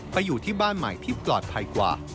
อยู่ที่บ้านใหม่ที่ปลอดภัยกว่า